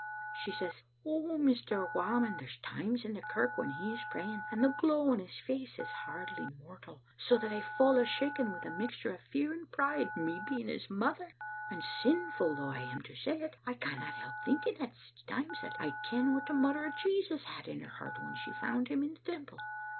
"She says, *Oh, Mr. Whamond, there's times in the kirk when he is praying, and the glow on his face is hardly mortal, so that I fall a shaking, wi' a mixture o' fear and pride, me being his mother; and sinful though I am to say it, I canna help thinking at sic times that I ken what the mother o' Jesus had in her heart when she found Him in the temple.